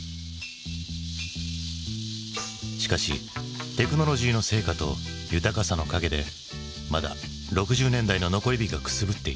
しかしテクノロジーの成果と豊かさの陰でまだ６０年代の残り火がくすぶっていた。